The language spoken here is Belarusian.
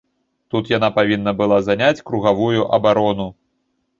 Тут яна павінна была заняць кругавую абарону.